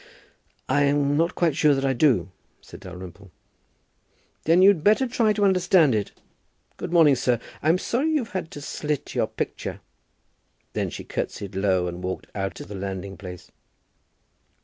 "I'm not quite sure that I do," said Dalrymple. "Then you'd better try to understand it. Good morning, sir. I'm sorry you've had to slit your picture." Then she curtseyed low, and walked out on to the landing place.